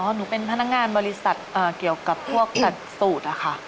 หนูเป็นพนักงานบริษัทเกี่ยวกับพวกตัดสูตรอะค่ะ